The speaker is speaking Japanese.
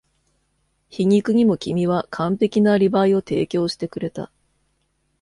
皮肉にも君は完璧なアリバイを提供してくれた。